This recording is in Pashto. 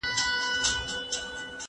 زه به د ښوونځی لپاره امادګي نيولی وي؟!